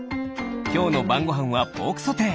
きょうのばんごはんはポークソテー。